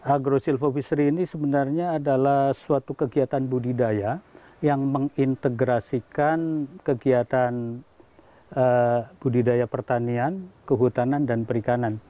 agrosil fobishery ini sebenarnya adalah suatu kegiatan budidaya yang mengintegrasikan kegiatan budidaya pertanian kehutanan dan perikanan